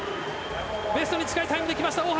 ベストに近いタイムできました大橋。